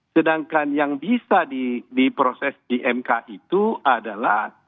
sedangkan yang bisa di proses dmk itu adalah